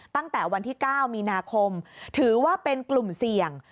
ตั้งแต่วันที่๙มีนาคมถือว่าเป็นกลุ่มเสี่ยง